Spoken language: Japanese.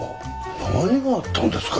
何があったんですか？